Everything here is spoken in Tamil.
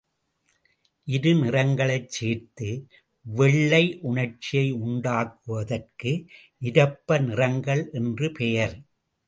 இரு நிறங்களைச் சேர்த்து, வெள்ளை உணர்ச்சியை உண்டாக்குவதற்கு நிரப்பு நிறங்கள் என்று பெயர்.